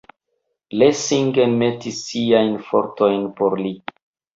Lessing enmetis siajn fortojn por li.